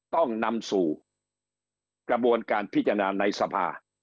ต้องนำสู่กระบวนการพิจารณาในสภา